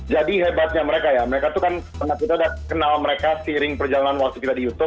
jadi hebatnya mereka ya mereka tuh kan karena kita udah kenal mereka seiring perjalanan waktu kita di youtube